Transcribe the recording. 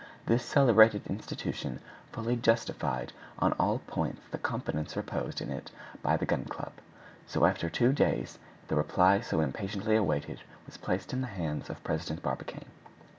This celebrated institution fully justified on all points the confidence reposed in it by the Gun Club. So, after two days, the reply so impatiently awaited was placed in the hands of President Barbicane.